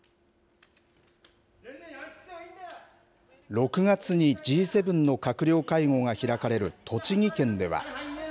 ６月にＧ７の閣僚会合が開かれる栃木県では。